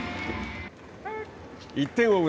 １点を追う